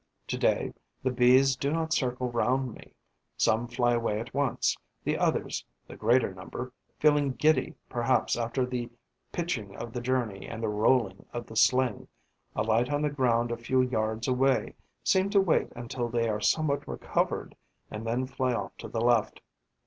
To day, the Bees do not circle round me: some fly away at once; the others, the greater number, feeling giddy perhaps after the pitching of the journey and the rolling of the sling, alight on the ground a few yards away, seem to wait until they are somewhat recovered and then fly off to the left.